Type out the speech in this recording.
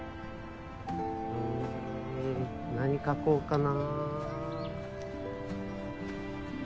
ん何描こうかな？